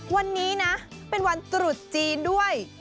วันนี้นะเป็นวันตรุษจีนด้วย